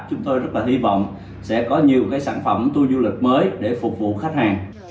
chúng tôi rất là hy vọng sẽ có nhiều sản phẩm tour du lịch mới để phục vụ khách hàng